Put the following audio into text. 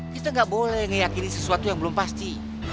kita nggak boleh ngeyakini sesuatu yang belum pasti